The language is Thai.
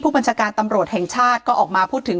บัญชาการตำรวจแห่งชาติก็ออกมาพูดถึง